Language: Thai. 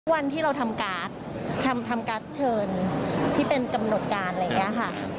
วันที่เราทำการ์ดทำการ์ดเชิญที่เป็นกำหนดการอะไรอย่างนี้ค่ะ